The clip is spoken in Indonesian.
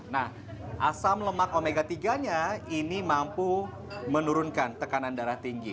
nah asam lemak omega tiga nya ini mampu menurunkan tekanan darah tinggi